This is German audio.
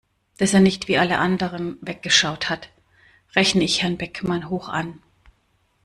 Dass er nicht wie alle anderen weggeschaut hat, rechne ich Herrn Beckmann hoch an.